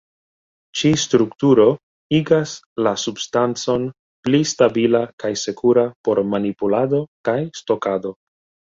Ĉi-strukturo igas la substancon pli stabila kaj sekura por manipulado kaj stokado.